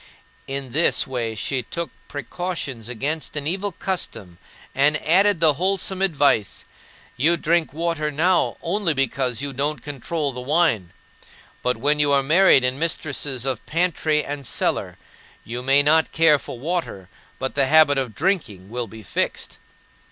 In this way she took precautions against an evil custom and added the wholesome advice: "You drink water now only because you don't control the wine; but when you are married and mistresses of pantry and cellar, you may not care for water, but the habit of drinking will be fixed."